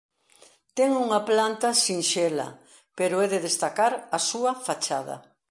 Ten unha planta sinxela pero é de destacar a súa fachada.